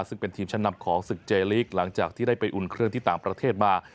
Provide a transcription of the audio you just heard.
ซึ่งเป็นทีมชั้นนำของศึกเจลีกหลังจากที่ได้ไปอุ่นเครื่องที่ต่างประเทศมา